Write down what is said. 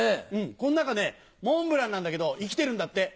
この中ねモンブランなんだけど生きてるんだって。